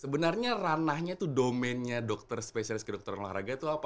sebenarnya ranahnya tuh domennya dokter spesialis ke dokteran olahraga itu apa